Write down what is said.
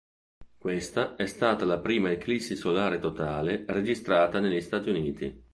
Questa è stata la prima eclissi solare totale registrata negli Stati Uniti.